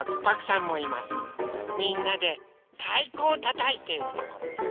みんなでたいこをたたいているところです。